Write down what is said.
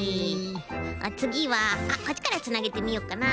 つぎはこっちからつなげてみよっかな。